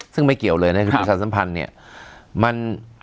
ซึ่งไม่เกี่ยวเลยนะครับภาษาสัมพันธ์เนี่ยมัน